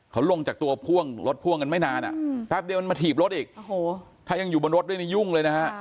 เขาลงจากตัวพ่วงรถพ่วงกันไม่นานอ่ะถ้าเดี๋ยวมันมาถีบรถอีกถ้ายังอยู่บนรถไม่ได้ยุ่งเลยนะฮะ